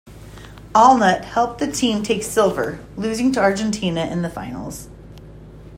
Allnutt helped the team take silver, losing to Argentina in the finals.